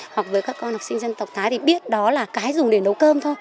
hoặc với các con học sinh dân tộc thái thì biết đó là cái dùng để nấu cơm thôi